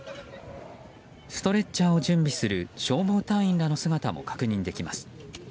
ストレッチャーを準備する消防隊員らの姿も確認できます。